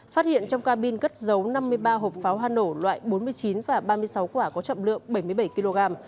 phát hiện trong cabin cất dấu năm mươi ba hộp pháo hoa nổ loại bốn mươi chín và ba mươi sáu quả có trọng lượng bảy mươi bảy kg